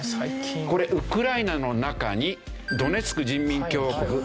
これウクライナの中にドネツク人民共和国ルガンスク人民